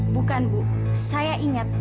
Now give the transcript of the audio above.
bukan bu saya ingat